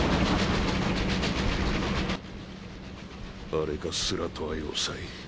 あれがスラトア要塞。